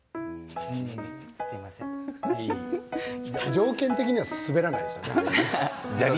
条件的には滑らないでしょうね。